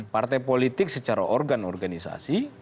partai politik secara organ organisasi